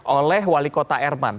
oleh wali kota herman